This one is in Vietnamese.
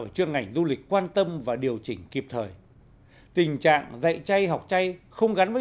chuyên ngành du lịch quan tâm và điều chỉnh kịp thời tình trạng dạy chay học chay không gắn với